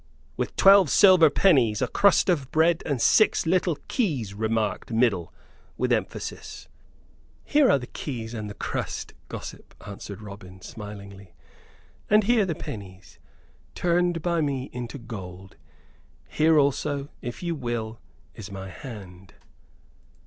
"With twelve silver pennies, a crust of bread, and six little keys," remarked Middle, with emphasis. "Here are the keys and the crust, gossip," answered Robin, smilingly. "And here the pennies, turned by me into gold. Here also, if you will, is my hand."